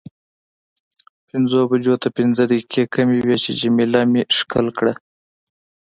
پنځو بجو ته پنځه دقیقې کمې وې چې جميله مې ښکل کړه.